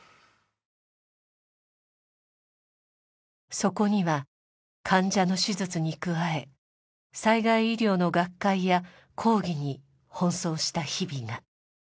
そこには患者の手術に加え災害医療の学会や講義に奔走した日々が。